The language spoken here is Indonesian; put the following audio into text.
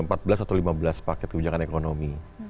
empat belas atau lima belas paket kebijakan ekonomi